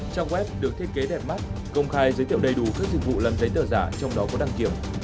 trang web được thiết kế đẹp mắt công khai giới thiệu đầy đủ các dịch vụ làm giấy tờ giả trong đó có đăng kiểm